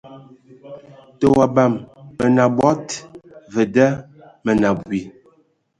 Tə o abam Mə nə abɔd, və da mə nə abui.